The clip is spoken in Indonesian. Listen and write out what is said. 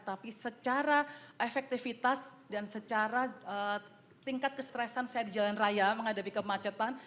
tapi secara efektivitas dan secara tingkat kestresan saya di jalan raya menghadapi kemacetan